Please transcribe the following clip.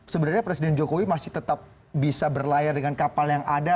sebenarnya presiden jokowi masih tetap bisa berlayar dengan kapal yang ada